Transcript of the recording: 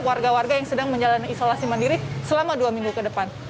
warga warga yang sedang menjalani isolasi mandiri selama dua minggu ke depan